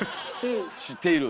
知っている。